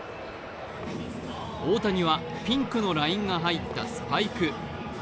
大谷はピンクのラインが入ったスパイク。